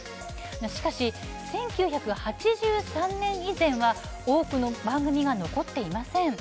しかし、１９８３年以前は多くの番組が残っていません。